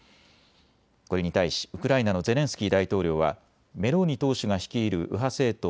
これに対し、ウクライナのゼレンスキー大統領はメローニ党首が率いる右派政党